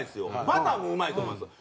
バターもうまいと思うんですよ。